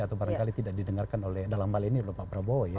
atau barangkali tidak didengarkan oleh dalam hal ini oleh pak prabowo ya